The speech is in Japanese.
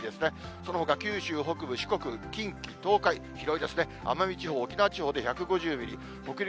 そのほか九州北部、四国、近畿、東海、広いですね、奄美地方、沖縄地方で１５０ミリ、北陸